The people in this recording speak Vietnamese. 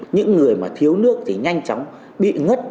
những người mà thiếu nước thì nhanh chóng bị ngất